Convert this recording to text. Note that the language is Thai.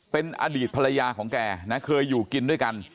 เป็นอดีตภรรยาของแกนะเคยอยู่กินด้วยกัน